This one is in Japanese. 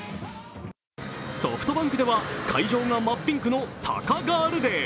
ソフトバンクでは会場が真ピンクのタカガールデー。